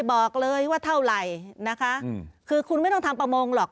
บอกเลยว่าเท่าไหร่นะคะคือคุณไม่ต้องทำประมงหรอก